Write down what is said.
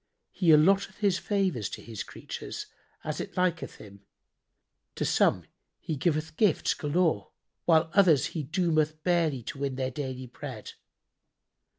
He allotteth His favours to His creatures, as it liketh Him; to some he giveth gifts galore while others He doometh barely to win their daily bread.